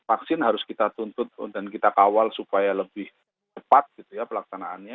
vaksin harus kita tuntut dan kita kawal supaya lebih cepat pelaksanaannya